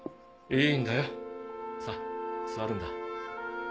いいんだよさぁ座るんだ。